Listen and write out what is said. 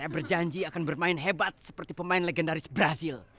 berjanji akan bermain hebat seperti pemain legendaris brazil